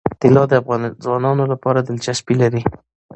طلا د افغان ځوانانو لپاره دلچسپي لري.